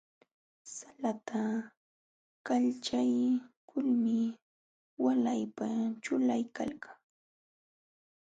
Salata kalchaykulmi walaypa ćhulaykalkan.